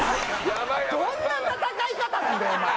どんな戦い方なんだよお前。